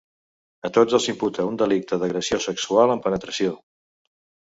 A tots els imputa un delicte d’agressió sexual amb penetració.